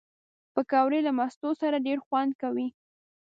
پکورې له مستو سره ډېر خوند کوي